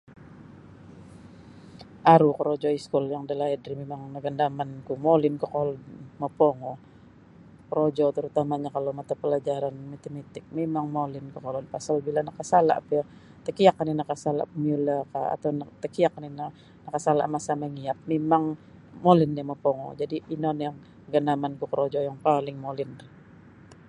Aru korojo iskul yang dalaid rih mimang nagandaman ku molin kokolod mopongo korojo terutamanya kalau mata palajaran matematik mimang molin kokolod pasal bila nakasala pio takiak oni nakasala miula ka atau takiak oni nakasala masa mangiat mimang molin mio nopongo jadi ino nio gandaman ku korojo yang paling molin.